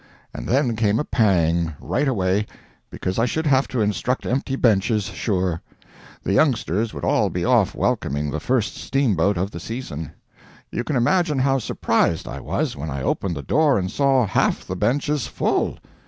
And then came a pang, right away, because I should have to instruct empty benches, sure; the youngsters would all be off welcoming the first steamboat of the season. You can imagine how surprised I was when I opened the door and saw half the benches full!